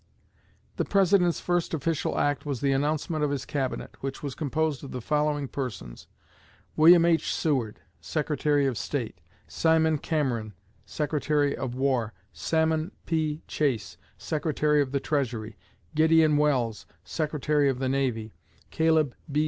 The President's first official act was the announcement of his Cabinet, which was composed of the following persons: William H. Seward, Secretary of State; Simon Cameron, Secretary of War; Salmon P. Chase, Secretary of the Treasury; Gideon Welles, Secretary of the Navy; Caleb B.